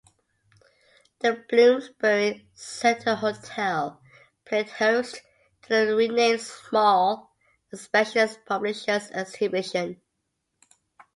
The Bloomsbury Centre Hotel played host to the renamed Small and Specialist Publishers Exhibition.